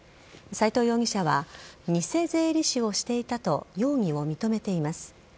斉藤容疑者は偽税理士をしていたと容疑を認めています。